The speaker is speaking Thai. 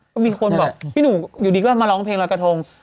ก็มีคนบอกพี่หนุ่มอยู่ดีก็มาร้องเพลงรอยกระทง